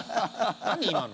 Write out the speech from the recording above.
何今の？